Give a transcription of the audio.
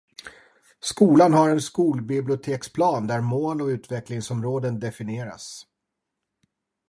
Skolan har en skolbiblioteksplan där mål och utvecklingsområden definieras.